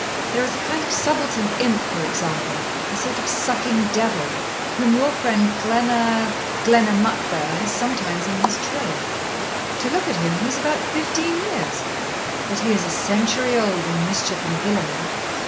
There is a kind of subaltern imp, for example, a sort of sucking devil, whom your friend Glena Glenamuck there, has sometimes in his train. To look at him, he is about fifteen years; but he is a century old in mischief and villainy.